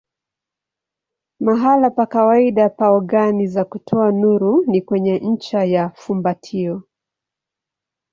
Mahali pa kawaida pa ogani za kutoa nuru ni kwenye ncha ya fumbatio.